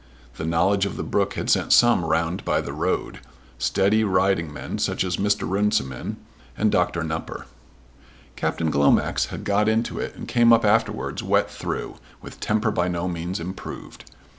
The knowledge of the brook had sent some round by the road, steady riding men such as Mr. Runciman and Doctor Nupper. Captain Glomax had got into it and came up afterwards wet through, with temper by no means improved.